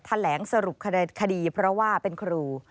แถลงสรุปคดีเพราะว่าเป็นครู